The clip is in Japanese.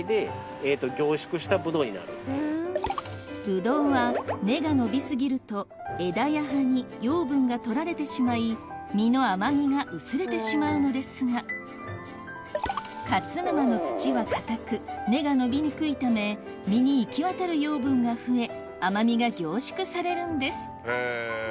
ブドウは根が伸び過ぎると枝や葉に養分が取られてしまい実の甘みが薄れてしまうのですが勝沼の土は硬く根が伸びにくいため実に行き渡る養分が増え甘みが凝縮されるんです